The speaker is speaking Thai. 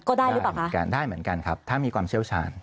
ได้หรือเปล่าคะได้เหมือนกันครับถ้ามีความเชี่ยวชาญ